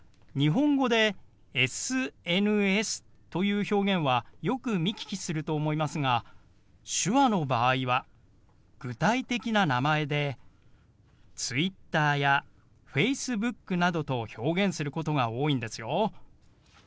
日本語でＳＮＳという表現はよく見聞きすると思いますが手話の場合は具体的な名前でＴｗｉｔｔｅｒやＦａｃｅｂｏｏｋなどと表現することが多いんですよ。